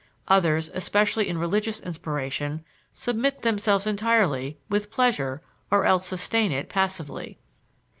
Others, especially in religious inspiration, submit themselves entirely with pleasure or else sustain it passively.